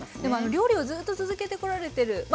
でも料理をずっと続けてこられてる